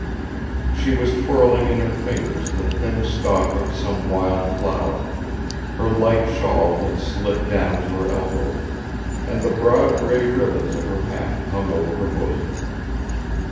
She was twirling in her fingers the thin stalk of some wild flower, her light shawl had slipped down to her elbows, and the broad grey ribbons of her hat hung over her bosom.